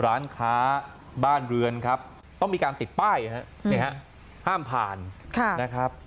ร้านค้าบ้านเรือนครับต้องมีการติดป้ายห้ามผ่านนะครับ